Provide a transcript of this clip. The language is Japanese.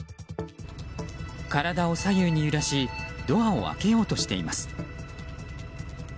体を左右に揺らしドアを開けようとしています。